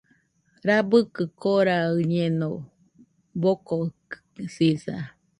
Rabɨkɨ koraɨñeno, bokoɨsisa.